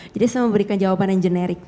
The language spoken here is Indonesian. jadi saya memberikan jawaban yang generik